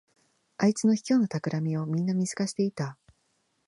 あいつの卑劣なたくらみをみんな見透かしていた